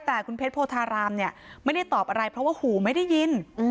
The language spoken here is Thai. แต่ภรรยาไม่ได้ตอบอะไรเพราะว่าหู่ไม่ได้ยิน